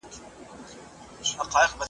لکه نه چي وي روان داسي پر لار ځي .